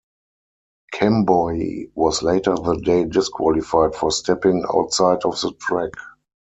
Kemboi was later that day disqualified for stepping outside of the track.